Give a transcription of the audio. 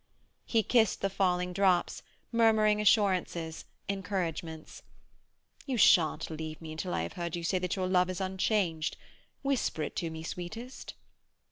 He kissed the falling drops, murmuring assurances, encouragements. "You shan't leave me until I have heard you say that your love is unchanged. Whisper it to me, sweetest!"